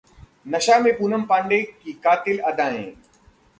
'नशा' में पूनम पांडेय की कातिल अदाएं